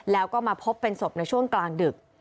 แล้วก็มาพบเป็นศพในช่วงกลางดึก